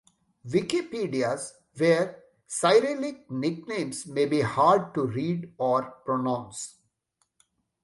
Wikipedias where Cyrillic nicknames may be hard to read or pronounce.